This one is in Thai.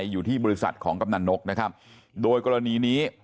อยู่ที่บริษัทของกำนันนกนะครับโดยกรณีนี้